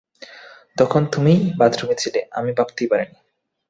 তখন তুমিই বাথরুমে ছিলে, আমি ভাবতেই পারিনি!